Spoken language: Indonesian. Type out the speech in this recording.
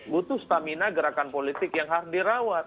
butuh stamina gerakan politik yang harus dirawat